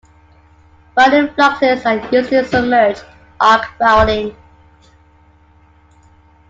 Welding fluxes are used in submerged arc welding.